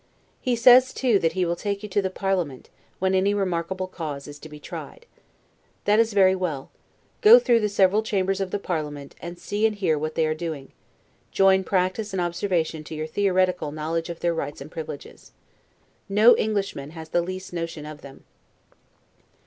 He says, too, that he will take you to the parliament, when any remarkable cause is to be tried. That is very well; go through the several chambers of the parliament, and see and hear what they are doing; join practice and observation to your theoretical knowledge of their rights and privileges. No Englishman has the least notion of them.